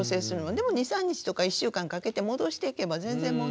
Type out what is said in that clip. でも２３日とか１週間かけて戻していけば全然問題ないので。